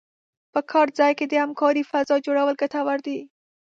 په کار ځای کې د همکارۍ فضا جوړول ګټور دي.